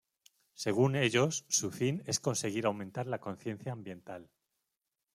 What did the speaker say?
Según ellos, su fin es conseguir aumentar la conciencia ambiental.